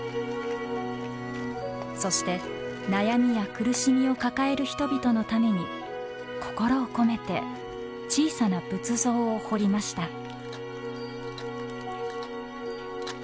そして悩みや苦しみを抱える人々のために心を込めて小さな仏像を彫りました。